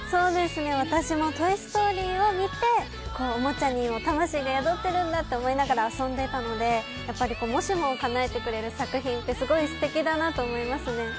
私も「トイ・ストーリー」を見て、おもちゃにも魂が宿っているんだと思って遊んでたのでやっぱり、もしもをかなえてくれる作品ってすごくすてきだなって思いますね。